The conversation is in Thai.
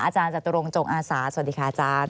อาจารย์จตุรงจงอาสาสวัสดีค่ะอาจารย์